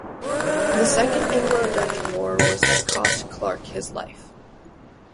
This Second Anglo-Dutch War was to cost Clarke his life.